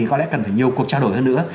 có lẽ cần phải nhiều cuộc trao đổi hơn nữa